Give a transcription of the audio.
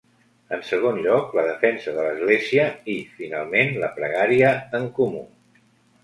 En segon lloc, la defensa de l'Església i, finalment, la pregària en comú.